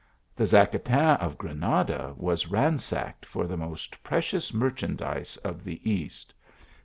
The Zacatin of Granada as ransacked for the most precious merchandise of le East.